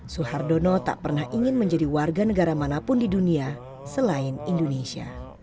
suhardono tak pernah ingin menjadi warga negara manapun di dunia selain indonesia